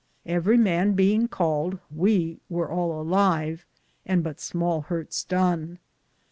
Everie man beinge caled, we weare all alive, and but smale hurtes done.